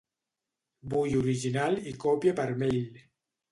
Vull original i còpia per mail.